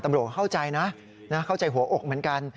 ตำรวจเข้าใจนะเข้าใจหัวอกเหมือนกัน